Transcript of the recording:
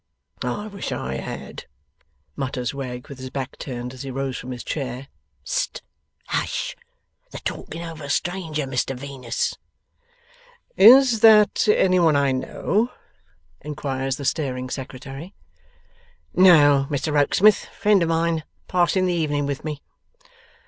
'I wish I had,' mutters Wegg, with his back turned as he rose from his chair. 'St! Hush! The talking over stranger, Mr Venus.' 'Is that any one I know?' inquires the staring Secretary. 'No, Mr Rokesmith. Friend of mine. Passing the evening with me.